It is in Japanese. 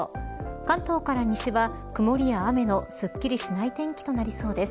関東から西は曇りや雨のすっきりしない天気となりそうです。